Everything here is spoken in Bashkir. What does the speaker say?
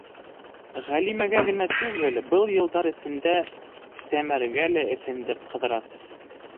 Ғәлимәгә генә түгел, был йылдар эсендә Сәмәрәгә лә эҫенде Ҡыҙрасов.